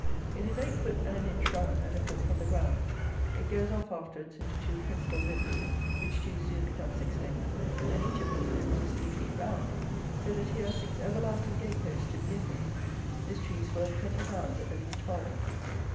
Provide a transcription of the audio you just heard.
It is eight foot and an inch round at a foot from the ground. It goes off afterwards into two principal limbs; which two soon become six limbs, and each of these limbs is three feet round. So that here are six everlasting gate posts to begin with. This tree is worth 20 pounds at the least farthing.